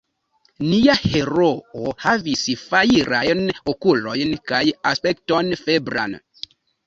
Nia heroo havis fajrajn okulojn kaj aspekton febran.